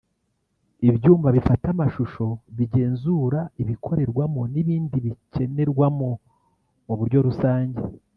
ibyuma bifata amashusho bigenzura ibikorerwamo n’ibindi bikenerwamo mu buryo rusange